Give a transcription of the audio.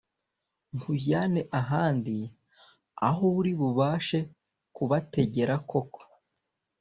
nkujyane ahandi aho uri bubashe kub tegera kuko